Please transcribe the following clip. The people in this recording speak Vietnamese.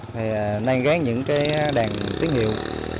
thì nên gán những cái đèn tiết hiệu